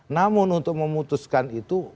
namun untuk memutuskan itu